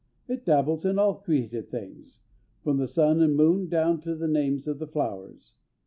It dabbles in all created things, from the sun and moon down to the names of the flowers.